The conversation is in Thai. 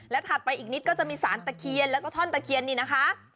ถัดไปอีกนิดก็จะมีสารตะเคียนแล้วก็ท่อนตะเคียนนี่นะคะ